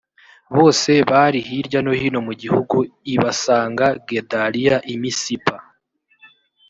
bose bari hirya no hino mu gihugu i basanga gedaliya i misipa